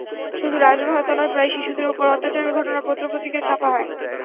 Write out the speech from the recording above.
শুধু রাজন হত্যা নয়, প্রায়ই শিশুদের ওপর অত্যাচারের ঘটনা পত্রপত্রিকায় ছাপা হয়।